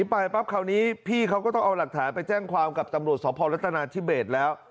ไปปั๊บคราวนี้พี่เขาก็ต้องเอาหลักฐานไปแจ้งความกับตำรวจสพรัฐนาธิเบสแล้ว